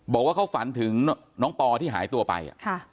บอกว่าเขาฝันถึงน้องปอที่หายตัวไป